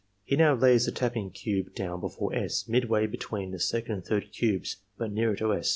He now lays the tapping cube down before S., midway between the second and third cubes, but nearer to S.